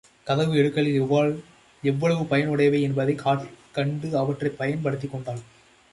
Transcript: கதவு இடுக்குகள் எவ்வளவு பயன் உடையவை என்பதைக் கண்டு அவற்றைப் பயன் படுத்திக் கொண்டாள்.